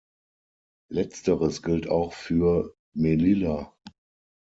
Letzteres gilt auch für Melilla.